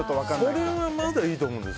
それは、まだいいと思うんです。